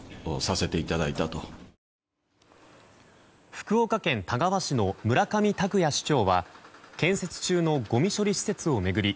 福岡県田川市の村上卓哉市長は建設中のごみ処理施設を巡り